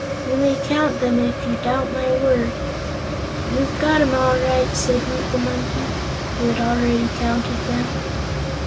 You may count them, if you doubt my word." "You've got 'em, all right," said Woot the Monkey, who had already counted them.